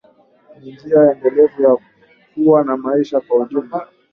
Ni njia endelevu ya kuwa na maisha kwa ujumla